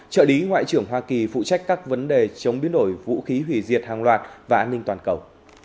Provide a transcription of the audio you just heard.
trợ lý ngoại trưởng hoa kỳ phụ trách các vấn đề chống biến đổi vũ khí hủy diệt hàng loạt và an ninh toàn cầu